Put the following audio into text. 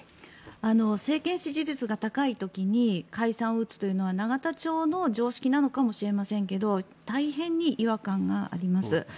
政権支持率が高い時に解散を打つというのは永田町の常識なのかもしれませんけど大変に違和感があります。